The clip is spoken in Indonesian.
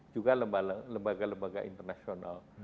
juga lembaga lembaga internasional